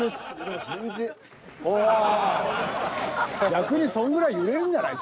逆にそんぐらい揺れるんじゃない？